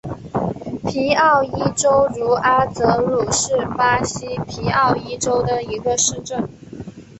皮奥伊州茹阿泽鲁是巴西皮奥伊州的一个市镇。